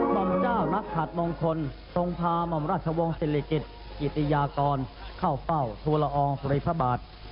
มอมเจ้านักขาดมงคลทรงพามอมราชวงศ์ศิลิกิษฐ์อิตยากรเข้าเป้าธุระองค์พลัยพระบาท